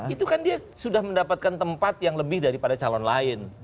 itu kan dia sudah mendapatkan tempat yang lebih daripada calon lain